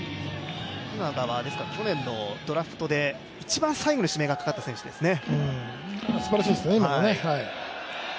福永は去年のドラフトで、いちばん最後に指名がかかった選手ですね。